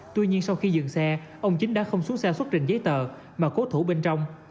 tuy nhiên sau khi dừng xe ông chính đã không xuống xe xuất trình giấy tờ mà cố thủ bên trong